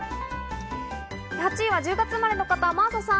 ８位は１０月生まれの方、真麻さん。